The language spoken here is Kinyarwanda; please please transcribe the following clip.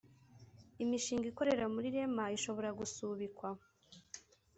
imishinga ikorera muri rema ishobora gusubikwa